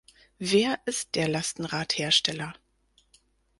Wer ist der Lastenradhersteller?